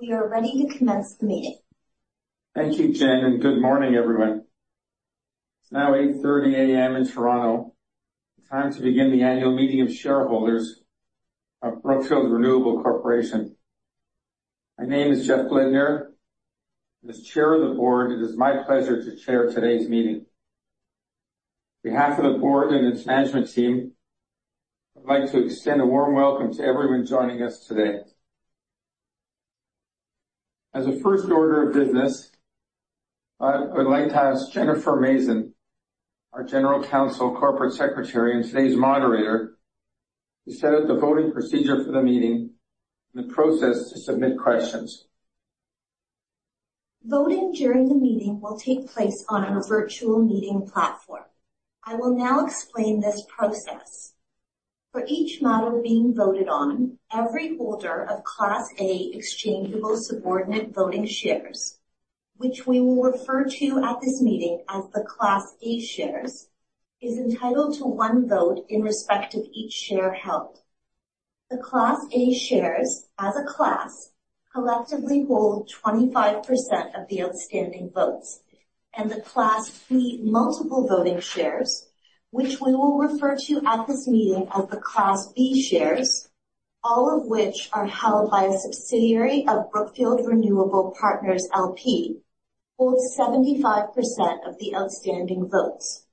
We are ready to commence the meeting. Thank you, Jen, and good morning, everyone. It's now 8:30 A.M. in Toronto. Time to begin the Annual Meeting of Shareholders of Brookfield Renewable Corporation. My name is Jeff Blidner. As Chair of the Board, it is my pleasure to chair today's meeting. On behalf of the Board and its Management Team, I'd like to extend a warm welcome to everyone joining us today. As a first order of business, I, I'd like to ask Jennifer Mazin, our General Counsel, Corporate Secretary, and today's moderator, to set out the voting procedure for the meeting and the process to submit questions. Voting during the meeting will take place on a virtual meeting platform. I will now explain this process. For each matter being voted on, every holder of Class A exchangeable subordinate voting shares, which we will refer to at this meeting as the Class A shares, is entitled to one vote in respect of each share held. The Class A shares, as a class, collectively hold 25% of the outstanding votes, and the Class B multiple voting shares, which we will refer to at this meeting as the Class B shares, all of which are held by a subsidiary of Brookfield Renewable Partners L.P., holds 75% of the outstanding votes.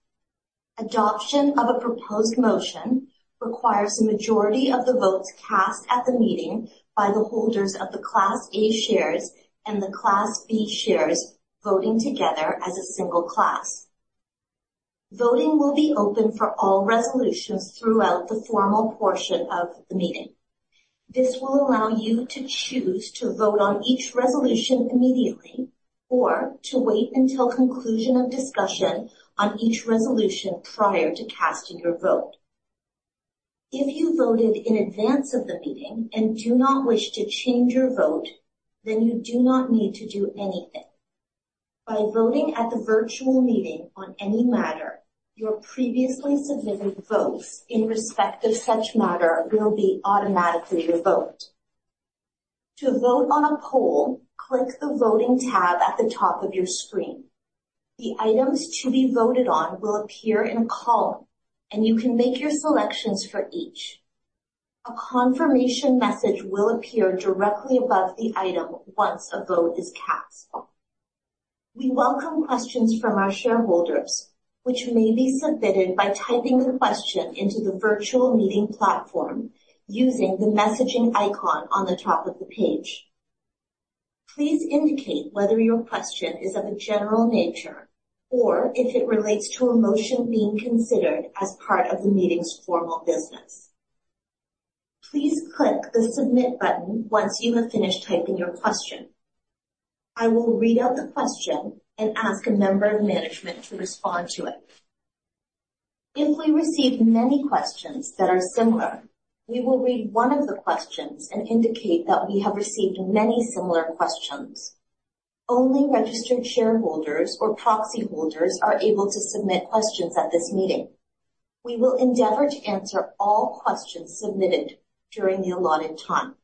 Adoption of a proposed motion requires a majority of the votes cast at the meeting by the holders of the Class A shares and the Class B shares voting together as a single class. Voting will be open for all resolutions throughout the formal portion of the meeting. This will allow you to choose to vote on each resolution immediately or to wait until conclusion of discussion on each resolution prior to casting your vote. If you voted in advance of the meeting and do not wish to change your vote, then you do not need to do anything. By voting at the virtual meeting on any matter, your previously submitted votes in respect of such matter will be automatically revoked. To vote on a poll, click the Voting tab at the top of your screen. The items to be voted on will appear in a column, and you can make your selections for each. A confirmation message will appear directly above the item once a vote is cast. We welcome questions from our shareholders, which may be submitted by typing the question into the virtual meeting platform using the messaging icon on the top of the page. Please indicate whether your question is of a general nature or if it relates to a motion being considered as part of the meeting's formal business. Please click the Submit button once you have finished typing your question. I will read out the question and ask a member of management to respond to it. If we receive many questions that are similar, we will read one of the questions and indicate that we have received many similar questions. Only registered shareholders or proxy holders are able to submit questions at this meeting. We will endeavor to answer all questions submitted during the allotted time.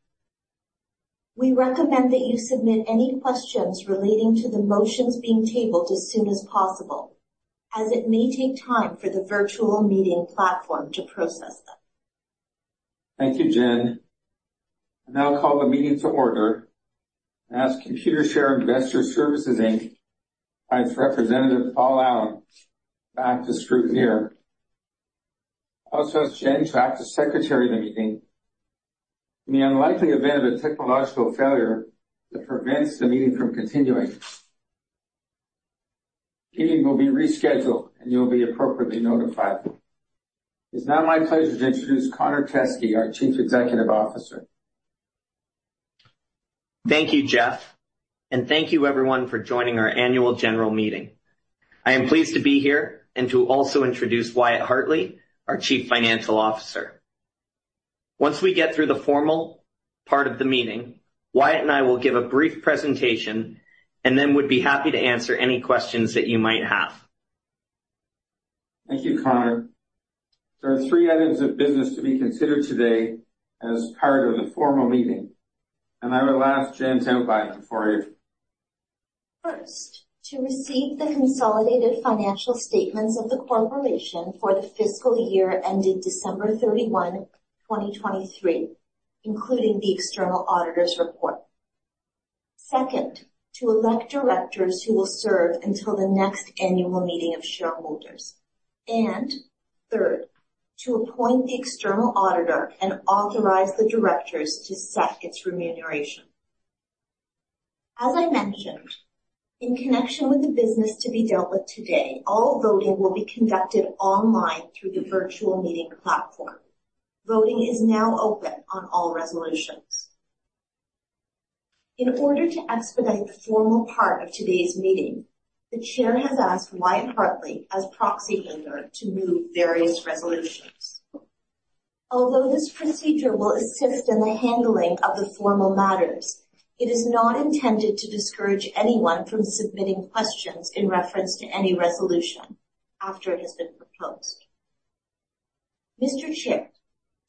We recommend that you submit any questions relating to the motions being tabled as soon as possible, as it may take time for the virtual meeting platform to process them. Thank you, Jen. I now call the meeting to order, and ask Computershare Investor Services Inc., its representative, Paul Allen, act as scrutineer. I also ask Jen to act as secretary of the meeting. In the unlikely event of a technological failure that prevents the meeting from continuing, the meeting will be rescheduled, and you'll be appropriately notified. It's now my pleasure to introduce Connor Teskey, our Chief Executive Officer. Thank you, Jeff, and thank you, everyone, for joining our annual general meeting. I am pleased to be here and to also introduce Wyatt Hartley, our Chief Financial Officer. Once we get through the formal part of the meeting, Wyatt and I will give a brief presentation and then would be happy to answer any questions that you might have. Thank you, Connor. There are three items of business to be considered today as part of the formal meeting, and I would ask Jen to outline them for you. First, to receive the consolidated financial statements of the corporation for the fiscal year ended December 31, 2023, including the external auditor's report. Second, to elect directors who will serve until the next annual meeting of shareholders. And third, to appoint the external auditor and authorize the directors to set its remuneration. As I mentioned, in connection with the business to be dealt with today, all voting will be conducted online through the virtual meeting platform. Voting is now open on all resolutions. In order to expedite the formal part of today's meeting, the chair has asked Wyatt Hartley, as proxy holder, to move various resolutions. Although this procedure will assist in the handling of the formal matters, it is not intended to discourage anyone from submitting questions in reference to any resolution after it has been proposed.... Mr. Chair,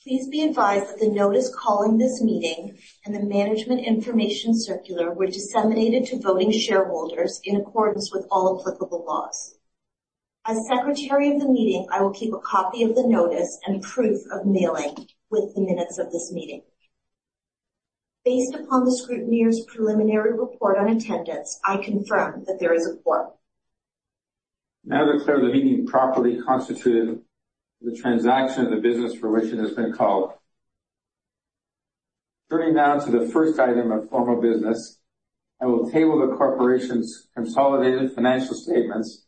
please be advised that the notice calling this meeting and the Management Information Circular were disseminated to voting shareholders in accordance with all applicable laws. As Secretary of the meeting, I will keep a copy of the notice and proof of mailing with the minutes of this meeting. Based upon the scrutineer's preliminary report on attendance, I confirm that there is a quorum. I now declare the meeting properly constituted for the transaction of the business for which it has been called. Turning now to the first item of formal business, I will table the corporation's consolidated financial statements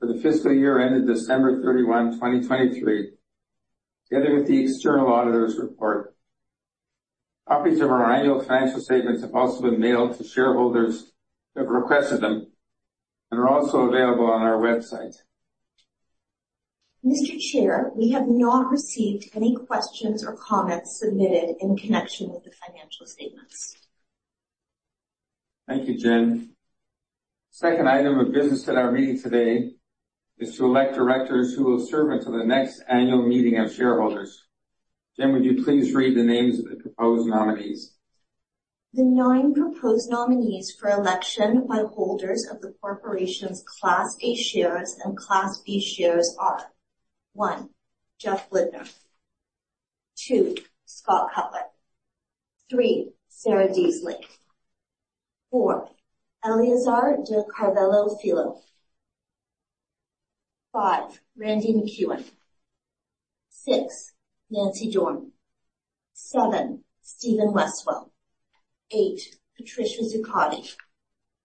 for the fiscal year ended December 31, 2023, together with the external auditor's report. Copies of our annual financial statements have also been mailed to shareholders that requested them and are also available on our website. Mr. Chair, we have not received any questions or comments submitted in connection with the financial statements. Thank you, Jen. Second item of business at our meeting today is to elect directors who will serve until the next annual meeting of shareholders. Jen, would you please read the names of the proposed nominees? The 9 proposed nominees for election by holders of the corporation's Class A shares and Class B shares are: 1, Jeff Blidner. 2, Scott Cutler. 3, Sarah Deasley. 4, Eleazar de Carvalho Filho. 5, Randy MacEwen. 6, Nancy Dorn. 7, Stephen Westwell. 8, Patricia Zuccotti,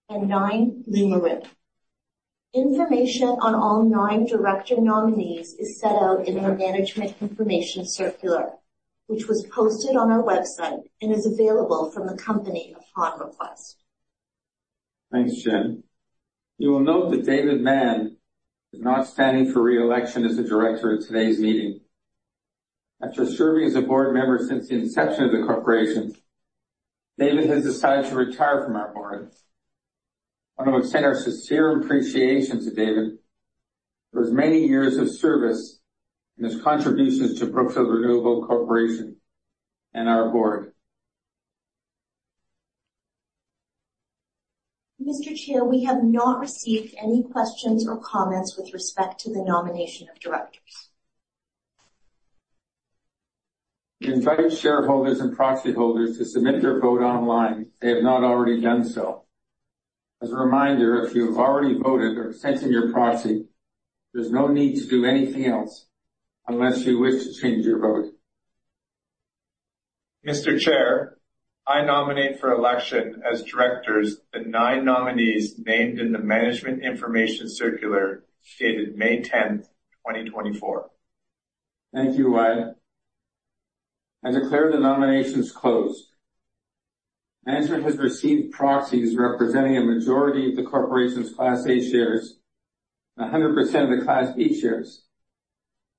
and 9, Lou Maroun. Information on all 9 Director nominees is set out in our Management Information Circular, which was posted on our website and is available from the company upon request. Thanks, Jen. You will note that David Mann is not standing for re-election as a Director at today's meeting. After serving as a Board Member since the inception of the corporation, David has decided to retire from our Board. I want to extend our sincere appreciation to David for his many years of service and his contributions to Brookfield Renewable Corporation and our Board. Mr. Chair, we have not received any questions or comments with respect to the nomination of directors. We invite shareholders and proxy holders to submit their vote online if they have not already done so. As a reminder, if you have already voted or sent in your proxy, there's no need to do anything else unless you wish to change your vote. Mr. Chair, I nominate for election as directors the nine nominees named in the Management Information Circular dated May 10th, 2024. Thank you, Wyatt. I declare the nominations closed. Management has received proxies representing a majority of the corporation's Class A shares and 100% of the Class B shares.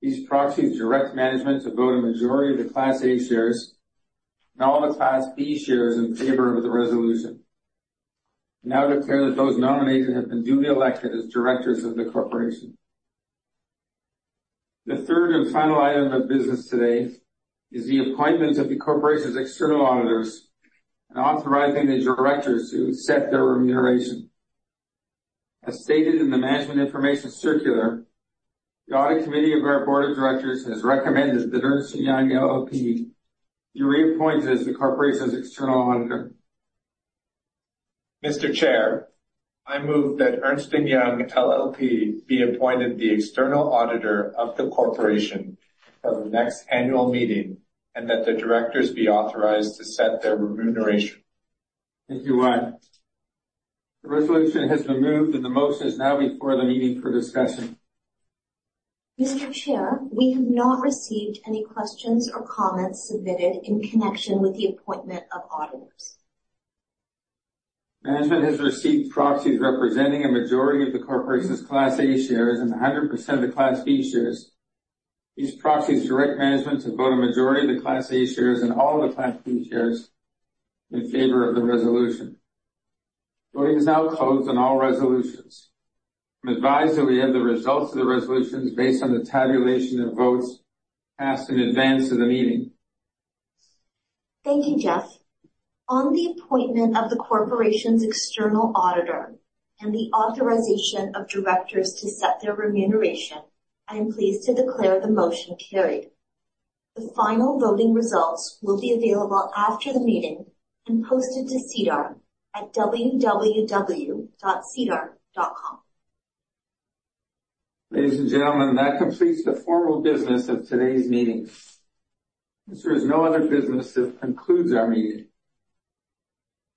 These proxies direct management to vote a majority of the Class A shares and all the Class B shares in favor of the resolution. I now declare that those nominees have been duly elected as directors of the corporation. The third and final item of business today is the appointment of the corporation's external auditors and authorizing the directors to set their remuneration. As stated in the Management Information Circular, the Audit Committee of our Board of Directors has recommended that Ernst & Young LLP be reappointed as the corporation's external auditor. Mr. Chair, I move that Ernst & Young LLP be appointed the external auditor of the corporation for the next annual meeting, and that the directors be authorized to set their remuneration. Thank you, Wyatt. The resolution has been moved, and the motion is now before the meeting for discussion. Mr. Chair, we have not received any questions or comments submitted in connection with the appointment of auditors. Management has received proxies representing a majority of the corporation's Class A shares and 100% of the Class B shares. These proxies direct management to vote a majority of the Class A shares and all of the Class B shares in favor of the resolution. Voting is now closed on all resolutions. I'm advised that we have the results of the resolutions based on the tabulation of votes cast in advance of the meeting. Thank you, Jeff. On the appointment of the corporation's external auditor and the authorization of directors to set their remuneration, I am pleased to declare the motion carried. The final voting results will be available after the meeting and posted to SEDAR at www.sedar.com. Ladies and gentlemen, that completes the formal business of today's meeting. Since there is no other business, this concludes our meeting.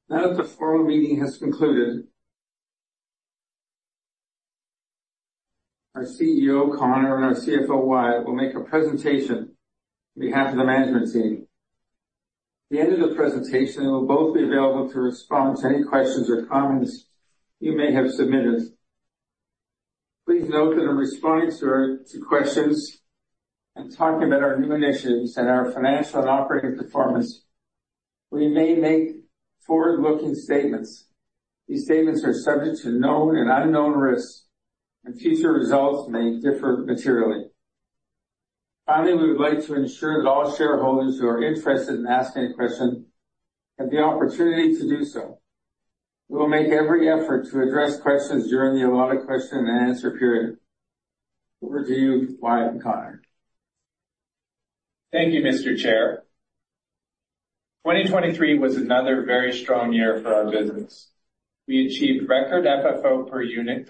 Now that the formal meeting has concluded, our CEO, Connor, and our CFO, Wyatt, will make a presentation on behalf of the management team. At the end of the presentation, they will both be available to respond to any questions or comments you may have submitted. Please note that in responding to questions and talking about our new initiatives and our financial and operating performance. We may make forward-looking statements. These statements are subject to known and unknown risks, and future results may differ materially. Finally, we would like to ensure that all shareholders who are interested in asking a question have the opportunity to do so. We will make every effort to address questions during the allotted question-and-answer period. Over to you, Wyatt and Connor. Thank you, Mr. Chair. 2023 was another very strong year for our business. We achieved record FFO per unit.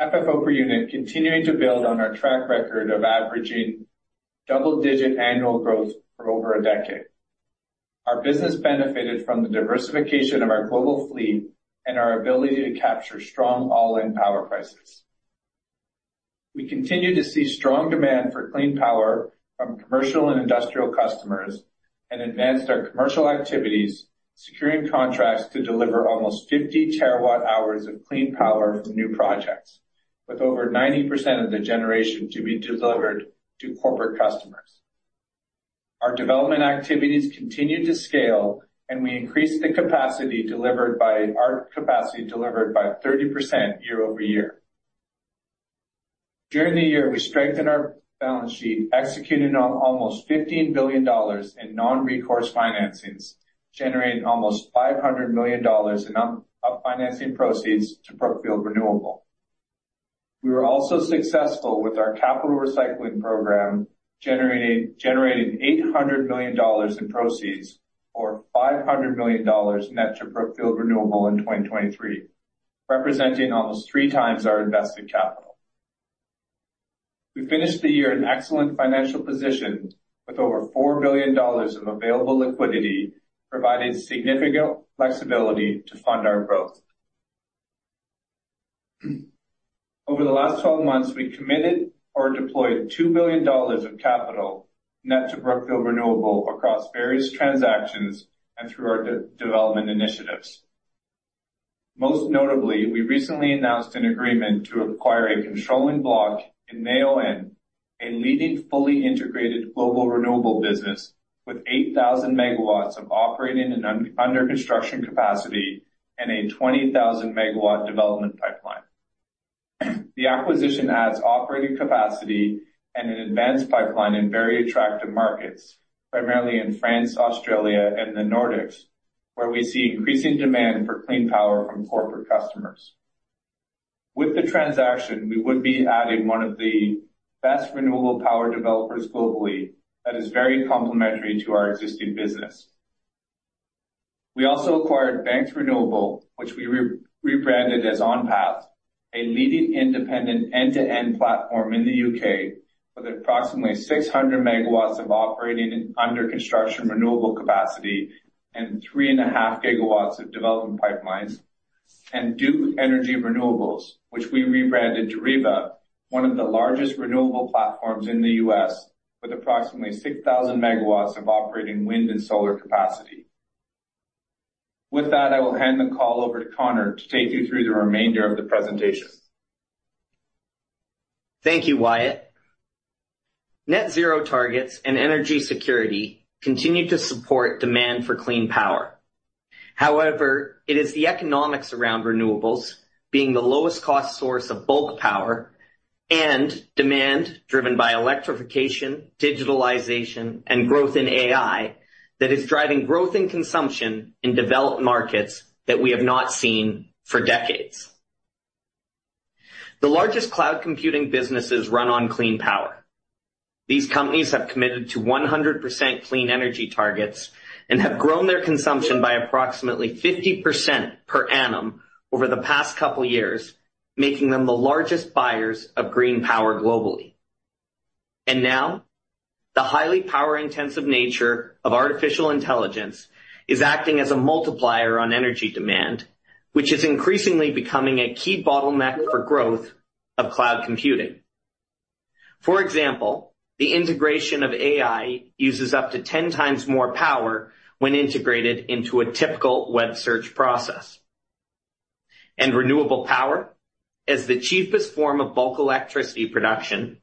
FFO per unit, continuing to build on our track record of averaging double-digit annual growth for over a decade. Our business benefited from the diversification of our global fleet and our ability to capture strong all-in power prices. We continue to see strong demand for clean power from commercial and industrial customers, and advanced our commercial activities, securing contracts to deliver almost 50 TWh of clean power to new projects, with over 90% of the generation to be delivered to corporate customers. Our development activities continued to scale, and we increased the capacity delivered by 30% YoY. During the year, we strengthened our balance sheet, executing on almost $15 billion in non-recourse financings, generating almost $500 million in refinancing proceeds to Brookfield Renewable. We were also successful with our capital recycling program, generating $800 million in proceeds, or $500 million net to Brookfield Renewable in 2023, representing almost 3 times our invested capital. We finished the year in excellent financial position, with over $4 billion of available liquidity, providing significant flexibility to fund our growth. Over the last 12 months, we committed or deployed $2 billion of capital net to Brookfield Renewable across various transactions and through our development initiatives. Most notably, we recently announced an agreement to acquire a controlling block in Neoen, a leading, fully integrated global renewable business, with 8,000 MW of operating and under construction capacity, and a 20,000-MW development pipeline. The acquisition adds operating capacity and an advanced pipeline in very attractive markets, primarily in France, Australia, and the Nordics, where we see increasing demand for clean power from corporate customers. With the transaction, we would be adding one of the best renewable power developers globally that is very complementary to our existing business. We also acquired Banks Renewables, which we rebranded as OnPath, a leading independent end-to-end platform in the U.K., with approximately 600 MW of operating and under construction renewable capacity, and 3.5 GW of development pipelines, and Duke Energy Renewables, which we rebranded to Deriva, one of the largest renewable platforms in the U.S., with approximately 6,000 MW of operating wind and solar capacity. With that, I will hand the call over to Connor to take you through the remainder of the presentation. Thank you, Wyatt. Net zero targets and energy security continue to support demand for clean power. However, it is the economics around renewables being the lowest cost source of bulk power, and demand driven by electrification, digitalization, and growth in AI, that is driving growth in consumption in developed markets that we have not seen for decades. The largest cloud computing businesses run on clean power. These companies have committed to 100% clean energy targets and have grown their consumption by approximately 50% per annum over the past couple of years, making them the largest buyers of green power globally. And now, the highly power-intensive nature of artificial intelligence is acting as a multiplier on energy demand, which is increasingly becoming a key bottleneck for growth of cloud computing. For example, the integration of AI uses up to 10 times more power when integrated into a typical web search process. Renewable power, as the cheapest form of bulk electricity production,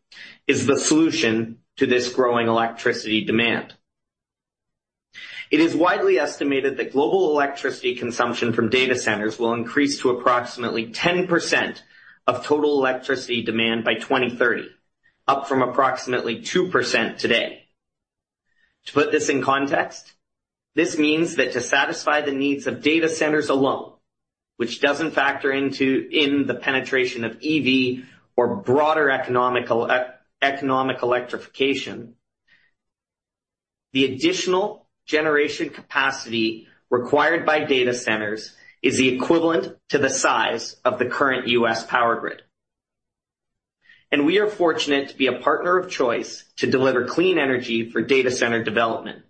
is the solution to this growing electricity demand. It is widely estimated that global electricity consumption from data centers will increase to approximately 10% of total electricity demand by 2030, up from approximately 2% today. To put this in context, this means that to satisfy the needs of data centers alone, which doesn't factor in the penetration of EV or broader economic electrification, the additional generation capacity required by data centers is the equivalent to the size of the current U.S. power grid. We are fortunate to be a partner of choice to deliver clean energy for data center development.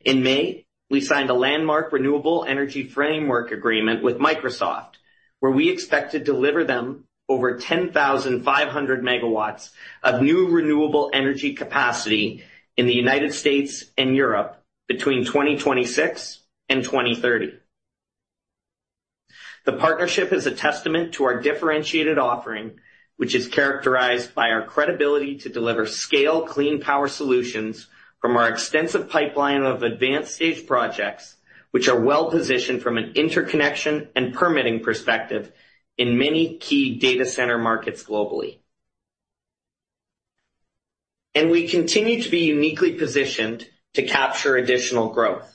In May, we signed a landmark renewable energy framework agreement with Microsoft, where we expect to deliver them over 10,500 MW of new renewable energy capacity in the United States and Europe between 2026 and 2030. The partnership is a testament to our differentiated offering, which is characterized by our credibility to deliver scale, clean power solutions from our extensive pipeline of advanced stage projects, which are well-positioned from an interconnection and permitting perspective in many key data center markets globally. And we continue to be uniquely positioned to capture additional growth.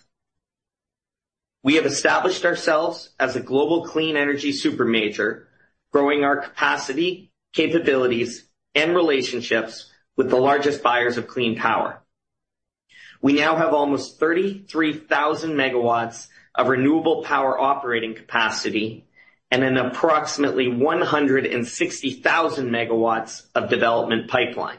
We have established ourselves as a global clean energy supermajor, growing our capacity, capabilities, and relationships with the largest buyers of clean power. We now have almost 33,000 MW of renewable power operating capacity and an approximately 160,000 MW of development pipeline.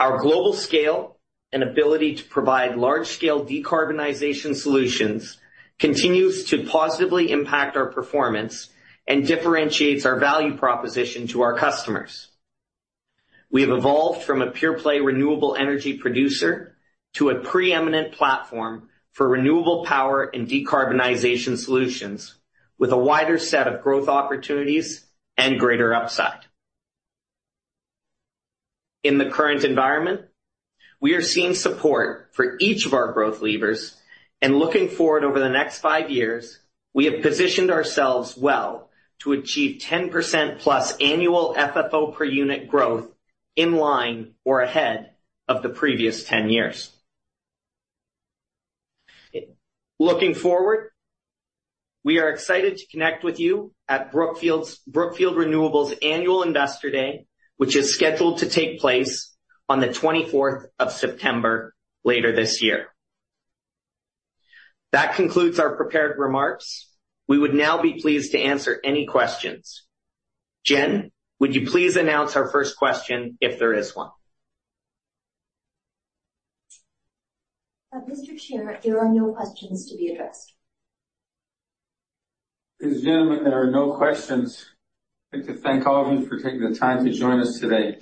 Our global scale and ability to provide large-scale decarbonization solutions continues to positively impact our performance and differentiates our value proposition to our customers. We have evolved from a pure-play renewable energy producer to a preeminent platform for renewable power and decarbonization solutions, with a wider set of growth opportunities and greater upside. In the current environment, we are seeing support for each of our growth levers, and looking forward over the next five years, we have positioned ourselves well to achieve 10%+ annual FFO per unit growth in line or ahead of the previous 10 years. Looking forward, we are excited to connect with you at Brookfield Renewables Annual Investor Day, which is scheduled to take place on the twenty-fourth of September later this year. That concludes our prepared remarks. We would now be pleased to answer any questions. Jen, would you please announce our first question, if there is one? Mr. Chair, there are no questions to be addressed. So, gentlemen, there are no questions. I'd like to thank all of you for taking the time to join us today.